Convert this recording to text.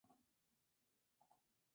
Hull, Derek.